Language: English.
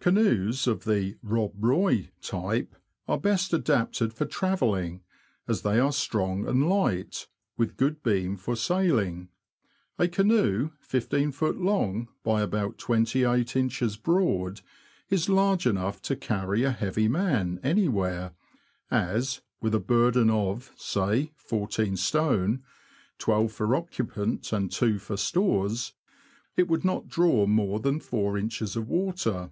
Canoes of the '' Rob Roy '^ type are best adapted for travelling, as they are strong and light, with good beam for sailing. A canoe 15ft. long, by about 28in. broad, is large enough to carry a heavy man anywhere, as, with a burden of, say, fourteen stone (twelve for occupant and two for stores), it would not draw more than about 4in. of water.